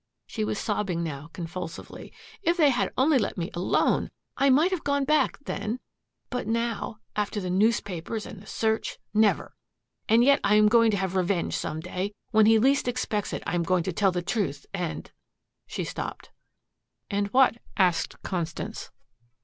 She was sobbing now convulsively. "If they had only let me alone! I might have gone back, then. But now after the newspapers and the search never! And yet I am going to have revenge some day. When he least expects it I am going to tell the truth and " She stopped. "And what?" asked Constance.